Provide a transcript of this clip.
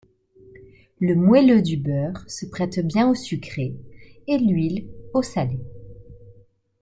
Le moelleux du beurre se prête bien au sucré et l'huile au salé.